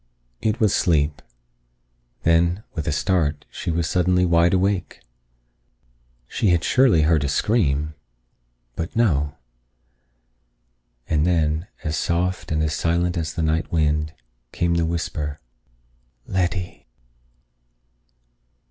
It was sleep. Then, with a start, she was suddenly wide awake. She had surely heard a scream. But no. And then, as soft and as silent as the night wind, came the whisper: "Letty."